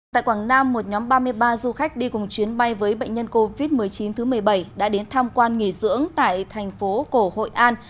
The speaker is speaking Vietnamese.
tại quảng nam một nhóm ba mươi ba du khách đi cùng chuyến bay với bệnh nhân covid một mươi chín thứ một mươi bảy đã đến tham quan nghỉ dưỡng tại thành phố cổ hội an